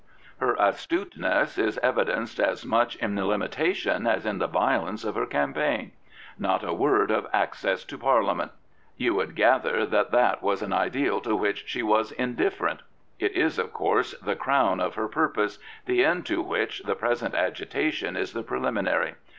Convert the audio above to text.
Her astuteness is evidenced as much in the limita tion as in the violence of her campaign. Not a word of access to Parliament. You would gather that that was an ideal to which she was indifferent. It is, of course, the crown of her purpose, the end to which the present agitation is the preliminary.